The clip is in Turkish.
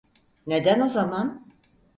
Neden o zaman?